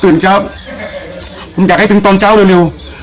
เจ้าผมอยากให้ถึงตอนเช้าเร็ว